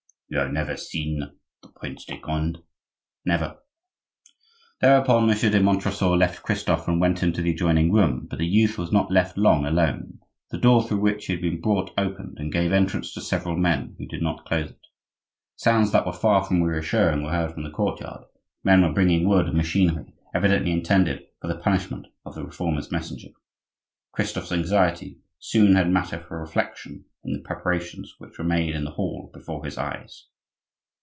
"You have never seen the Prince de Conde?" "Never." Thereupon Monsieur de Montresor left Christophe and went into the adjoining room; but the youth was not left long alone. The door through which he had been brought opened and gave entrance to several men, who did not close it. Sounds that were far from reassuring were heard from the courtyard; men were bringing wood and machinery, evidently intended for the punishment of the Reformer's messenger. Christophe's anxiety soon had matter for reflection in the preparations which were made in the hall before his eyes.